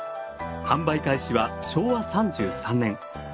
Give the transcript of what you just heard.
販売開始は昭和３３年。